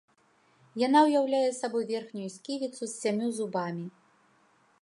Яна ўяўляе сабой верхнюю сківіцу з сямю зубамі.